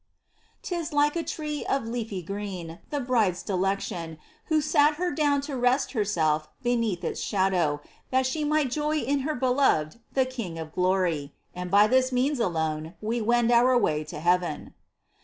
'Tis like a tree of leafy green — The Bride's delection, Who sat her down to rest herself Beneath its shadow, That she might joy in her Beloved, The King of glorj^ — And by its means alone we wend Our way to heaven.